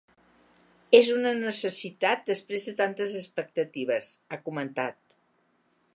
És una necessitat, després de tantes expectatives, ha comentat.